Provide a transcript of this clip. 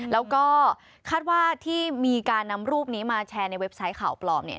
แล้วก็คาดว่าที่มีการนำรูปนี้มาแชร์ในเว็บไซต์ข่าวปลอมเนี่ย